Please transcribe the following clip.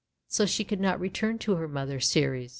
So she could not return to her mother Ceres!